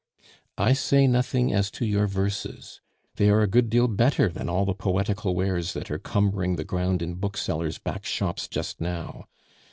"I say nothing as to your verses; they are a good deal better than all the poetical wares that are cumbering the ground in booksellers' backshops just now.